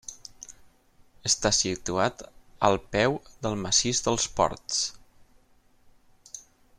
Està situat al peu del massís dels Ports.